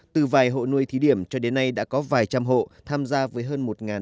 từ vài hộ nuôi thí điểm cho đến nay đã có vài trăm hộ tham gia với hơn một chín trăm linh